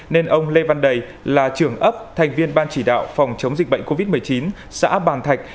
nên ông lê văn đầy là trưởng ấp thành viên ban chỉ đạo phòng chống dịch bệnh covid một mươi chín xã bàn thạch